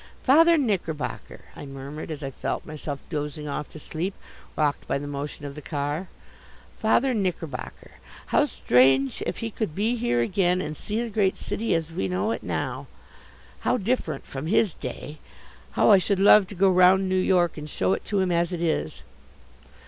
"Father Knickerbocker!" I murmured, as I felt myself dozing off to sleep, rocked by the motion of the car. "Father Knickerbocker, how strange if he could be here again and see the great city as we know it now! How different from his day! How I should love to go round New York and show it to him as it is."